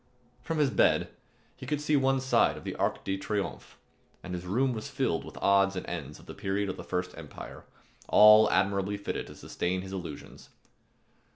From his bed he could see one side of the Arc de Triomphe, and his room was filled with odds and ends of the period of the First Empire all admirably fitted to sustain his illusions.